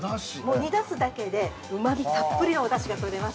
煮出すだけで、うまみたっぷりのおだしが取れます。